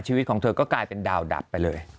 ชีวิตของเธอก็กลายเป็นดาวดับไปเลย